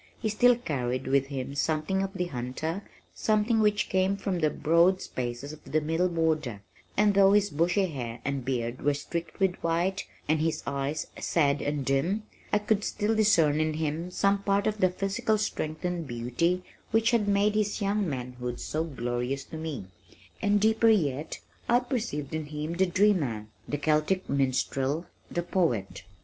He still carried with him something of the hunter, something which came from the broad spaces of the Middle Border, and though his bushy hair and beard were streaked with white, and his eyes sad and dim, I could still discern in him some part of the physical strength and beauty which had made his young manhood so glorious to me and deeper yet, I perceived in him the dreamer, the Celtic minstrel, the poet.